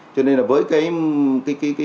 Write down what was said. cho nên là với cái